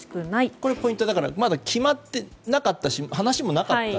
これがポイントでまだ決まっていなかったし話もなかったと。